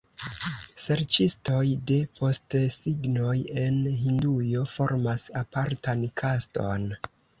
Serĉistoj de postesignoj en Hindujo formas apartan kaston.